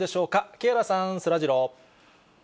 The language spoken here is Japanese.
木原さん、そらジロー。